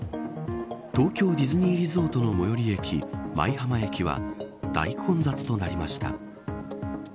東京ディズニーリゾートの最寄駅舞浜駅は大混雑となりました。